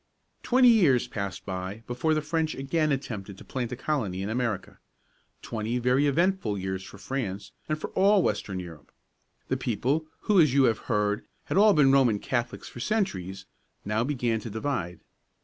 Twenty years passed by before the French again attempted to plant a colony in America twenty very eventful years for France and for all western Europe. The people, who, as you have heard, had all been Roman Catholics for centuries, now began to divide.